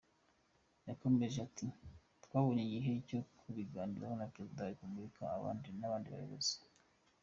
Yakomeje ati “Twabonye igihe cyo kubiganiraho na Perezida wa Repubulika n’abandi bayobozi.